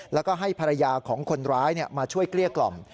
แล้วก็ให้ภรรยาของคนร้ายมาช่วยเกลี้ยกล่อม